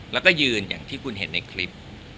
แล้วก็ยืนอย่างที่คุณเห็นในคลิป